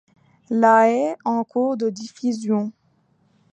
La est en cours de diffusion.